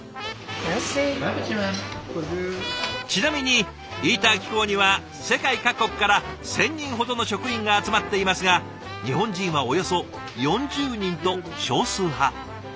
ちなみにイーター機構には世界各国から１，０００人ほどの職員が集まっていますが日本人はおよそ４０人と少数派。